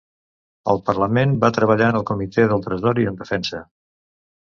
Al Parlament, va treballar en el Comitè del Tresor i en Defensa.